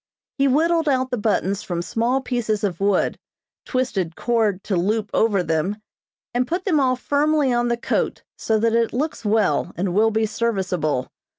He whittled out the buttons from small pieces of wood, twisted cord to loop over them, and put them all firmly on the coat so that it looks well, and will be serviceable.